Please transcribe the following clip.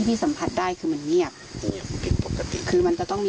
ถ้าผมจะรอตรงนี้มันจะวิ่งมาหาผม